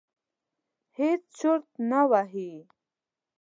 هېڅ چرت نه وهي.